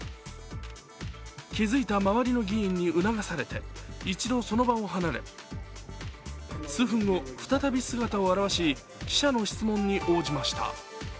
気付いた周りの議員に促されて一度その場を離れ数分後、再び姿を現し記者の質問に応じました。